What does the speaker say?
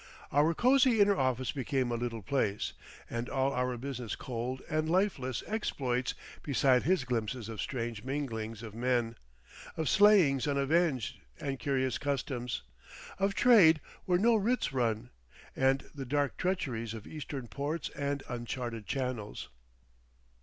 Our cosy inner office became a little place, and all our business cold and lifeless exploits beside his glimpses of strange minglings of men, of slayings unavenged and curious customs, of trade where no writs run, and the dark treacheries of eastern ports and uncharted channels.